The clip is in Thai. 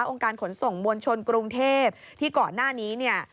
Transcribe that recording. องค์การขนส่งมวลชนกรุงเทพฯที่ก่อนหน้านี้